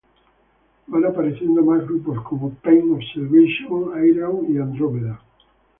Van apareciendo más grupos, como Pain of Salvation, Ayreon y Andromeda.